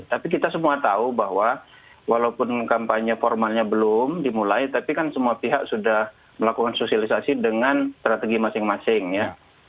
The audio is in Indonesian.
tapi kita semua tahu bahwa walaupun kampanye formalnya belum dimulai tapi kan semua pihak sudah melakukan sosialisasi dengan strategi masing masing ya